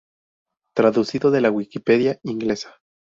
Traducido de la Wikipedia inglesa